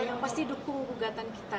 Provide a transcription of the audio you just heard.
ya pasti dukung bugatan kita